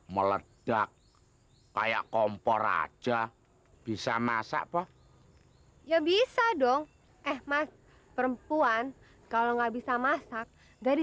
meledak kayak kompor aja bisa masak ya bisa dong eh mas perempuan kalau nggak bisa masak dari